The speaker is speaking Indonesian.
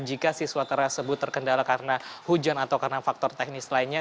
jika siswa tersebut terkendala karena hujan atau karena faktor teknis lainnya